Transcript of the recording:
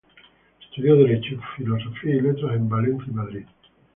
Estudió Derecho y Filosofía y Letras en Valencia y Madrid.